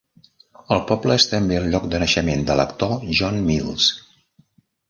El poble és també el lloc de naixement de l'actor John Mills.